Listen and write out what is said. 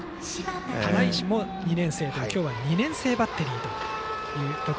只石も２年生ということで今日は２年生バッテリー。